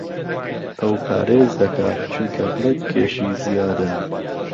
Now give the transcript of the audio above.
ئەو پارێز دەکات چونکە بڕێک کێشی زیادە.